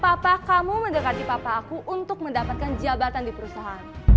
papa kamu mendekati papa aku untuk mendapatkan jabatan di perusahaan